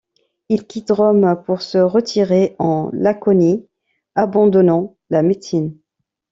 Il quitte Rome pour se retirer en Laconie, abandonnant la médecine.